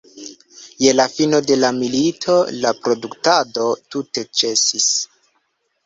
Je la fino de la milito la produktado tute ĉesis.